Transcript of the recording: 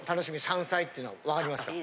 山菜っていうのは分かりますか？